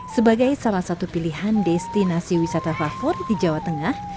sebagai salah satu pilihan destinasi wisata favorit di jawa tengah